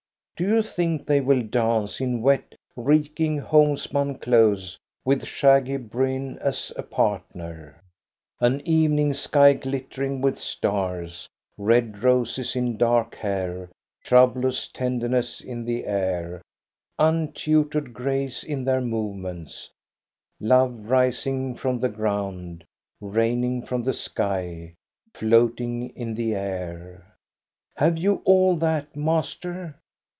Do you think they will dance in wet, reeking homespun clothes, with shaggy bruin as a partner? An evening sky glittering with stars, red roses in dark hair, troublous tenderness in the air, untutored grace in their movements, love rising from the ground, raining from the sky, floating in the air, — have you all that, master?